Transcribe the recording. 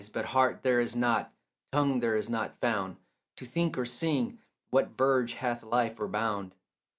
But heart there is not, tongue there is not found, To think or sing what verge hath life or bound.